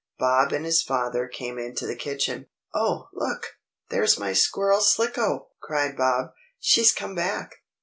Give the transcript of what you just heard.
Bob and his father came into the kitchen. "Oh, look! There's my squirrel Slicko!" cried Bob. "She's come back!"